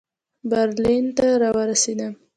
برلین ته را ورسېدم.